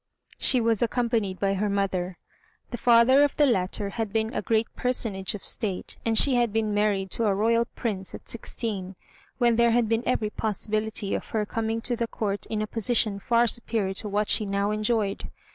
She was accompanied by her mother. The father of the latter had been a great personage of State, and she had been married to a Royal Prince at sixteen, when there had been every possibility of her coming to the Court in a position far superior to what she now enjoyed.